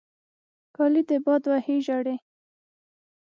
کالې دې باد وهي ژړې.